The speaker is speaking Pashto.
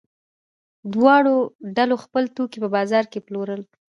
دواړو ډلو خپل توکي په بازار کې پلورل.